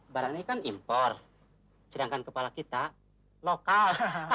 barang ini kan impor sedangkan kepala kita lokal